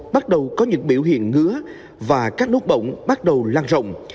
bắt đầu có những biểu hiện ngứa và các nốt bỗng bắt đầu lan rộng